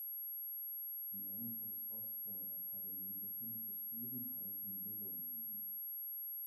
Die Andrews Osborne Academy befindet sich ebenfalls in Willoughby.